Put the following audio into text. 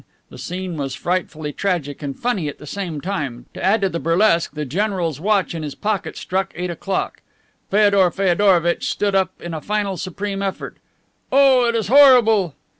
The scene was frightfully tragic and funny at the same time. To add to the burlesque, the general's watch in his pocket struck eight o'clock. Feodor Feodorovitch stood up in a final supreme effort. "Oh, it is horrible!"